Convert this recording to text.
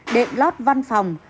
đệm lót văn phòng